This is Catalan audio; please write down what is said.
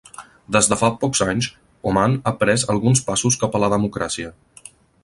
Des de fa pocs anys, Oman ha pres alguns passos cap a la democràcia.